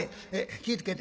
気ぃ付けて」。